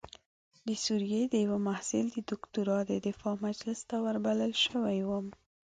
د سوریې د یوه محصل د دکتورا د دفاع مجلس ته وربلل شوی وم.